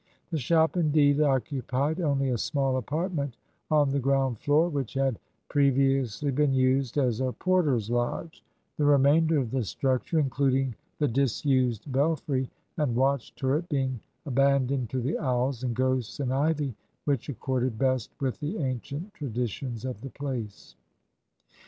The shop, indeed, occupied only a small apartment on the ground floor, which had previously been used as a porter's lodge, the remainder of the structure, including the disused belfry and watch turret, being abandoned to the owls and ghosts and ivy, which accorded best with the ancient traditions of the place.